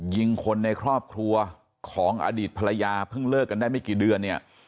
ยิงคนในครอบครัวของอดีตภรรยาเพิ่งเลิกกันได้ไม่กี่เดือนเนี่ย